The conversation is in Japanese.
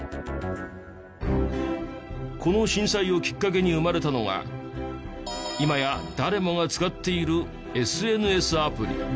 この震災をきっかけに生まれたのが今や誰もが使っているＳＮＳアプリ。